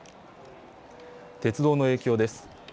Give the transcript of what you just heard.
鉄道の影響です。